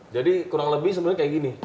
jadi kurang lebih sebenarnya kayak gini